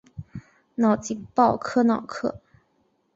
瑙吉鲍科瑙克。